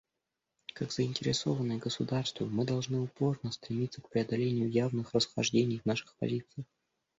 Как заинтересованные государства, мы должны упорно стремиться к преодолению явных расхождений в наших позициях.